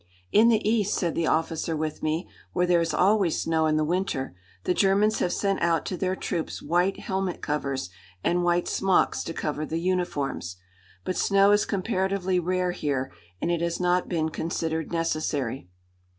"In the east," said the officer with me, "where there is always snow in the winter, the Germans have sent out to their troops white helmet covers and white smocks to cover the uniforms. But snow is comparatively rare here, and it has not been considered necessary."